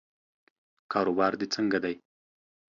کاروبار دې څنګه دی؟